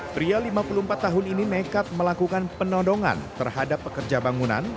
pria lima puluh empat tahun ini nekat melakukan penodongan terhadap pekerja bangunan